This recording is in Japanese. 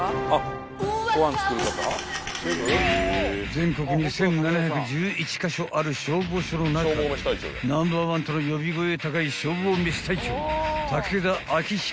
［全国に１，７１１カ所ある消防署の中でナンバーワンとの呼び声高い］